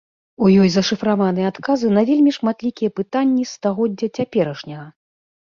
У ёй зашыфраваныя адказы на вельмі шматлікія пытанні стагоддзя цяперашняга.